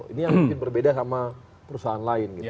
ini yang mungkin berbeda sama perusahaan lain gitu